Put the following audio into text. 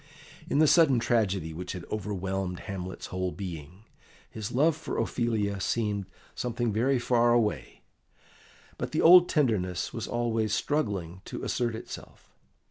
In the sudden tragedy which had overwhelmed Hamlet's whole being, his love for Ophelia seemed something very far away, but the old tenderness was always struggling to assert itself.